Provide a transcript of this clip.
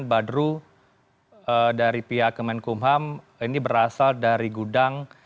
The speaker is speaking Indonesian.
badru dari pihak kementerian keputusan ham ini berasal dari gudang